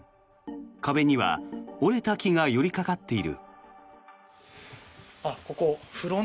壁には折れた木が寄りかかっている。